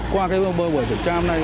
qua cái bơ bơ buổi trận tra hôm nay